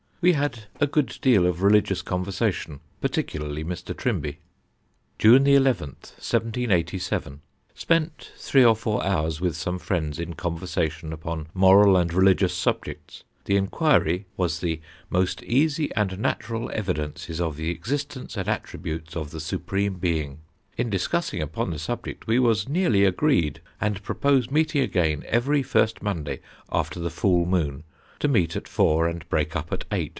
We had a good deal of religious conversation, particularly Mr. Trimby. "June 11th, 1787. Spent 3 or 4 hours with some friends in Conversation upon Moral and religious Subjects; the inquiry was the most easy and natural evedences of ye existence and attributes of ye supream Being in discussing upon the Subject we was nearly agreed and propose meeting again every first monday after the fool Moon to meet at 4 and break up at 8.